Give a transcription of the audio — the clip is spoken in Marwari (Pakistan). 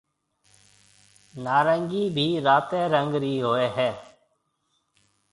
نارنگِي بي راتيَ رنگ رِي هوئي هيَ۔